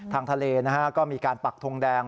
ทางทะเลนะฮะก็มีการปักทงแดง